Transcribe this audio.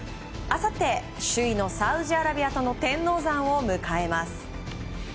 あさって首位のサウジアラビアとの天王山を迎えます。